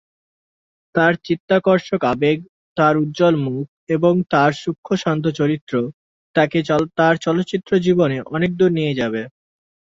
তার চিত্তাকর্ষক আবেগ, তার উজ্জ্বল মুখ এবং তার সূক্ষ্ম শান্ত চরিত্র, তাকে তার চলচ্চিত্র জীবনে অনেক দূরে নিয়ে যাবে।